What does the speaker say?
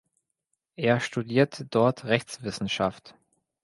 Er studierte dort Rechtswissenschaft.